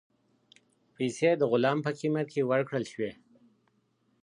پیسې د غلام په قیمت کې ورکړل شوې.